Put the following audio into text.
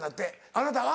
あなたは？